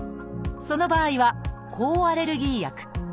その場合は抗アレルギー薬。